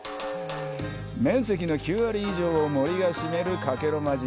面積の９割以上を森が占める加計呂麻島。